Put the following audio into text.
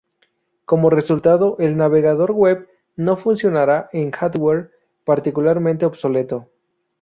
Como resultado, el navegador web no funcionará en hardware particularmente obsoleto.